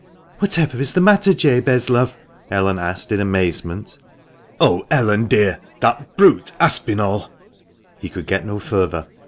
"Whatever is the matter, Jabez, love?" Ellen asked in amazement. "Oh, Ellen, dear! that brute Aspinall ." He could get no further.